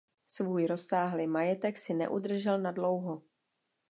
Svůj rozsáhlý majetek si neudržel na dlouho.